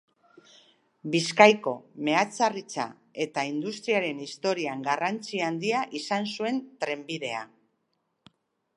Bizkaiko meatzaritza eta industriaren historian garrantzi handia izan zuen trenbidea.